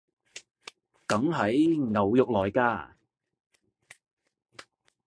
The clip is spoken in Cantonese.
梗係！牛肉來㗎！